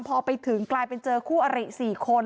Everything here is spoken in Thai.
พอไปถึงกลายเป็นเจอคู่อริ๔คน